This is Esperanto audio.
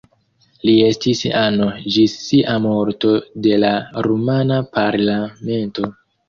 Li estis ano ĝis sia morto de la rumana parlamento.